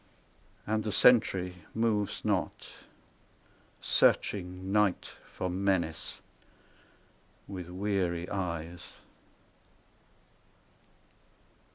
And the sentry moves not, searching Night for menace with weary eyes.